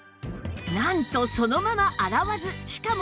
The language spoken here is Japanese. なんとそのまま洗わずしかも